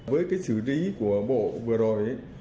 với cái xử lý của bộ vừa rồi